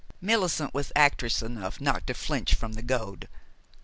Millicent was actress enough not to flinch from the goad.